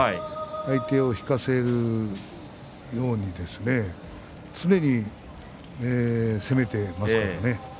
相手を引かせるようにですね常に攻めてますからね。